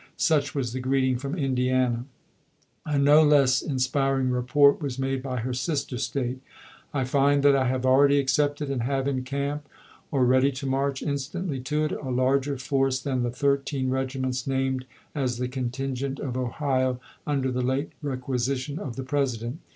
Such was the greeting from Indiana. A no less inspiring report was made by her sister State. " I find that I have already accepted and have in camp, or ready to march instantly to it, a larger force than the thir teen regiments named as the contingent of Ohio under the late requisition of the President.